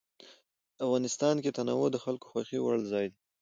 افغانستان کې تنوع د خلکو د خوښې وړ ځای دی.